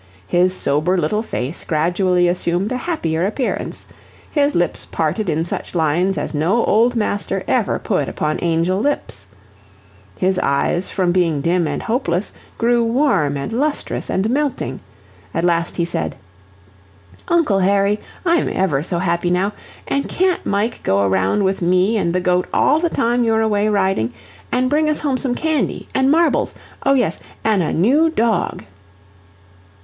His sober little face gradually assumed a happier appearance; his lips parted in such lines as no old master ever put upon angel lips; his eyes from being dim and hopeless, grew warm and lustrous and melting. At last he said: "Uncle Harry, I'm EVER so happy now. An' can't Mike go around with me and the goat all the time you're away riding? An' bring us home some candy, an' marbles oh, yes an' a new dog."